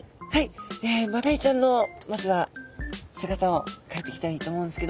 マダイちゃんのまずは姿をかいていきたいと思うんですけど。